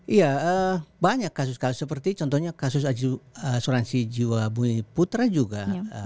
iya banyak kasus kasus seperti contohnya kasus asuransi jiwa bumi putra juga